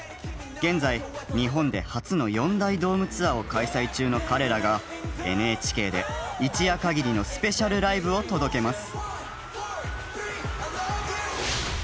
現在日本で初の４大ドームツアーを開催中の彼らがＮＨＫで一夜限りのスペシャルライブを届けます。